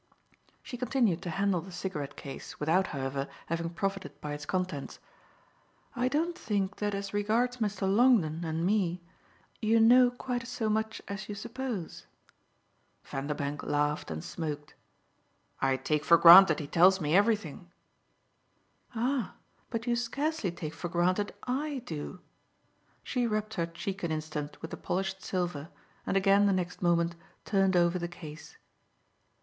She continued to handle the cigarette case, without, however, having profited by its contents. "I don't think that as regards Mr. Longdon and me you know quite so much as you suppose." Vanderbank laughed and smoked. "I take for granted he tells me everything." "Ah but you scarcely take for granted I do!" She rubbed her cheek an instant with the polished silver and again the next moment turned over the case.